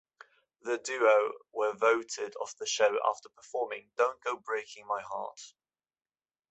The duo were voted off the show after performing "Don't Go Breaking My Heart".